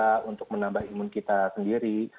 untuk menambah imun kita sendiri